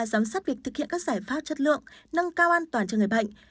giám sát việc thực hiện các giải pháp chất lượng nâng cao an toàn cho người bệnh